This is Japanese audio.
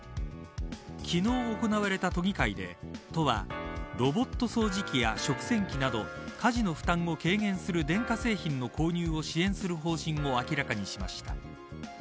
昨日行われた都議会で都はロボット掃除機や食洗機など家事の負担を軽減する電化製品の購入を支援する方針を明らかにしました。